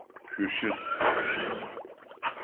Шъущыс!